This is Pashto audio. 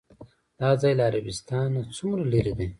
دا ځای له عربستان نه څومره لرې دی؟